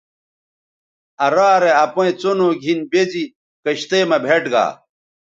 آ رارے اپئیں څنو گِھن بے زی کشتئ مہ بھئیٹ گا